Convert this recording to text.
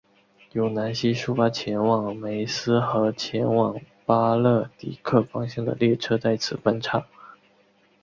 由南锡出发前往梅斯和前往巴勒迪克方向的列车在此分岔。